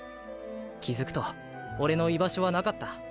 気づくとオレの居場所はなかった。